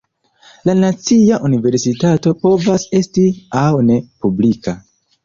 La "nacia universitato" povas esti aŭ ne publika.